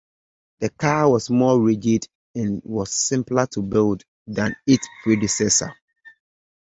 The car was more rigid and was simpler to build than its predecessor.